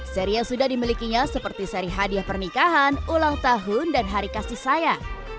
seri yang sudah dimilikinya seperti seri hadiah pernikahan ulang tahun dan hari kasih sayang